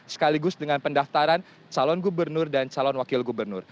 sekaligus dengan pendaftaran calon gubernur dan calon wakil gubernur